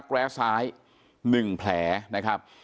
แต่คงตัดเส้นเลือดใหญ่โดนจุดสำคัญก็เลยเสียชีวิตนะครับ